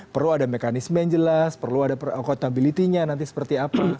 perlu ada mekanisme yang jelas perlu ada accountability nya nanti seperti apa